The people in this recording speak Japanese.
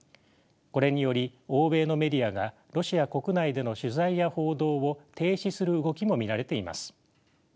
これにより欧米のメディアがロシア国内での取材や報道を停止する動きも見られています。